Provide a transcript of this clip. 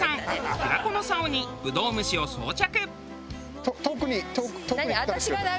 平子のさおにブドウ虫を装着。